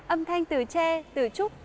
âm thanh từ tre từ trúc